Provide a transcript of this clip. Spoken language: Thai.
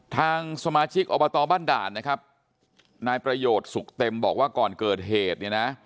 ทางสมาชิกอบตบ้านด่านนะครับนายประโยชน์สุขเต็มบอกว่าก่อนเกิดเหตุเนี่ยนะ